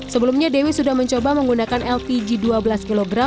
sebelumnya dewi sudah mencoba menggunakan lpg dua belas kg